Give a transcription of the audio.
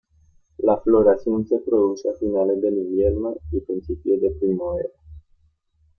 La floración se produce a finales del invierno y principios de primavera.